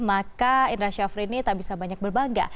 maka indra syafri ini tak bisa banyak berbangga